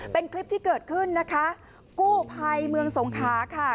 เป็นคลิปที่เกิดขึ้นนะคะกู้ภัยเมืองสงขาค่ะ